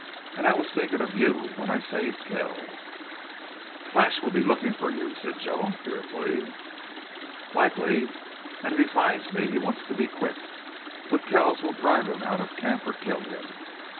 And I was thinking of you when I saved Kells!" "Flash will be looking for you," said Joan, fearfully. "Likely. And if he finds me he wants to be quick. But Kells will drive him out of camp or kill him.